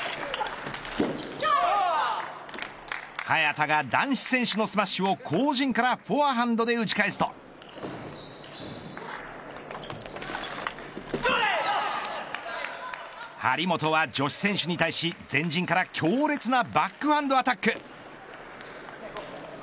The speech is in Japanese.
早田が男子選手のスマッシュを後陣からフォアハンドで打ち返すと張本は女子選手に対し前陣から強烈なバックハンドアタック。